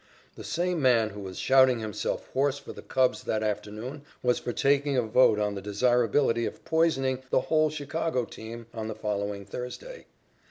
The same man who was shouting himself hoarse for the Cubs that afternoon was for taking a vote on the desirability of poisoning the whole Chicago team on the following Thursday.